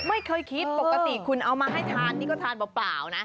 ไม่เคยคิดปกติคุณเอามาให้ทานนี่ก็ทานเปล่านะ